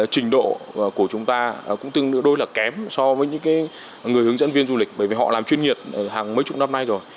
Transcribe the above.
trình độ của chúng ta cũng tương đối là kém so với những người hướng dẫn viên du lịch bởi vì họ làm chuyên nhiệt hàng mấy chục năm nay rồi